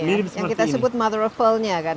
yang kita sebut mother of pearl nya kan